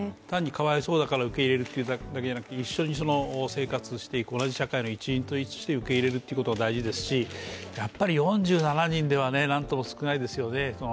単にかわいそうだから受け入れるというだけでなくて一緒に生活していく、同じ社会の一員として受け入れるということが大事ですし、やっぱり４７人ではなんとも少ないですよね